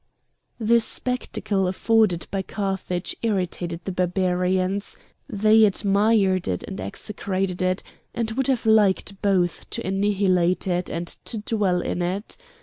The spectacle afforded by Carthage irritated the Barbarians; they admired it and execrated it, and would have liked both to annihilate it and to dwell in it.